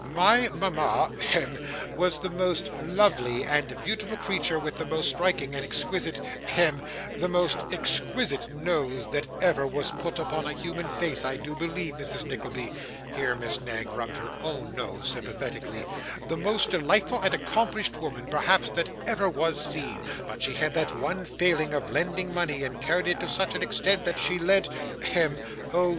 My mama hem was the most lovely and beautiful creature, with the most striking and exquisite hem the most exquisite nose that ever was put upon a human face, I do believe, Mrs Nickleby (here Miss Knag rubbed her own nose sympathetically); the most delightful and accomplished woman, perhaps, that ever was seen; but she had that one failing of lending money, and carried it to such an extent that she lent hem oh!